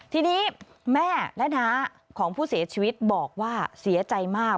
ทีนี้แม่และน้าของผู้เสียชีวิตบอกว่าเสียใจมาก